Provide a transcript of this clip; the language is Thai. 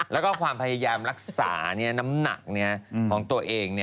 แล้วก็ความพยายามรักษาน้ำหนักของตัวเอง